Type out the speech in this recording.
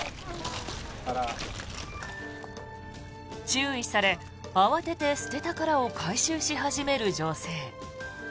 注意され、慌てて捨てた殻を回収し始める女性。